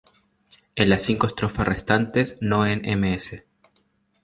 En las cinco estrofas restantes no en ms.